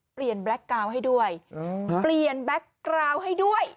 แบล็คกาวน์ให้ด้วยเปลี่ยนแบ็คกราวให้ด้วย